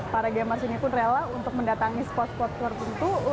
para gamers ini pun rela untuk mendatangi spot spot tertentu